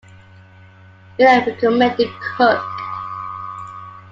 Miller recommended Cook.